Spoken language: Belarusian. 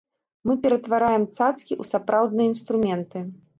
Мы ператвараем цацкі ў сапраўдныя інструменты!